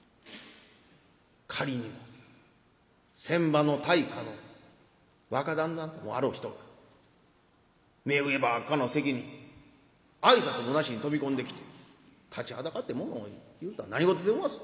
仮にも船場の大家の若旦那ともあろう人が目上ばっかの席に挨拶もなしに飛び込んできて立ちはだかってものを言うとは何事でおます。